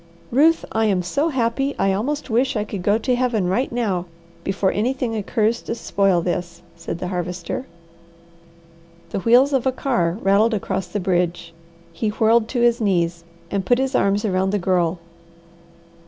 "Ruth, I'm so happy I almost wish I could go to Heaven right now before anything occurs to spoil this," said the Harvester. The wheels of a car rattled across the bridge. He whirled to his knees, and put his arms around the Girl.